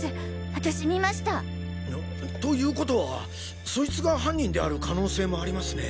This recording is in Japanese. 私見ました！ということはそいつが犯人である可能性もありますね。